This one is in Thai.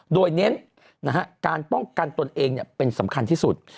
โดยเน้นการป้องกันตนเองเป็นสำคัญที่สุด